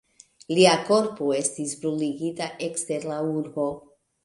Lia korpo estis bruligita ekster la urbo.